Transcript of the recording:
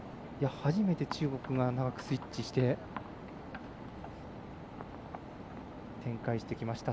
初めて中国がスイッチして展開してきました。